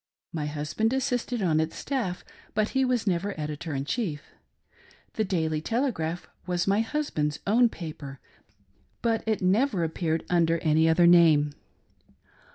My husband assisted on its staff, but he was never editor in chief. The Daily Tel egraph was my husband's own paper, but it never appeared under any other name.